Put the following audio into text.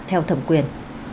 theo thẩm quyền